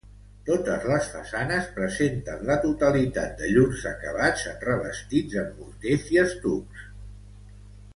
Totes les façanes presenten la totalitat de llurs acabats en revestits amb morters i estucs.